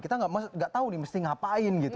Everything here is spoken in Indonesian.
kita nggak tahu nih mesti ngapain gitu